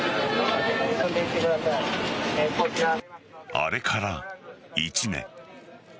あれから１年。